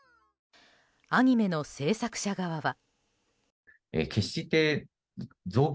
アニメの制作者側は。